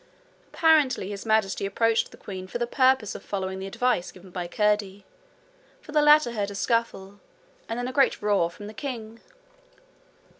Apparently His Majesty approached the queen for the purpose of following the advice given by Curdie, for the latter heard a scuffle, and then a great roar from the king.